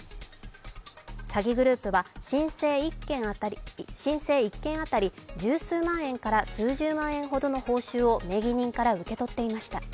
詐欺グループは、申請１件当たり十数万円から数十万円ほどの報酬を名義人から受け取っていました。